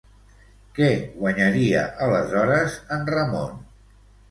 Què guanyaria aleshores, en Ramon?